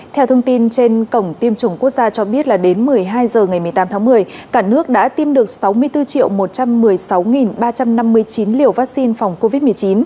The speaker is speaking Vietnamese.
theo thông tin trên cổng tiêm chủng quốc gia cho biết là đến một mươi hai h ngày một mươi tám tháng một mươi cả nước đã tiêm được sáu mươi bốn một trăm một mươi sáu ba trăm năm mươi chín liều vaccine phòng covid một mươi chín